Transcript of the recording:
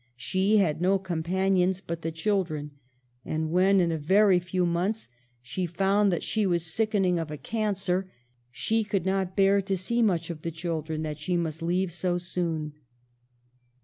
She had no companions but the children. And when, in a very few months, PARENTAGE. 21 she found that she was sickening of a cancer, she could not bear to see much of the children that she must leave so soon.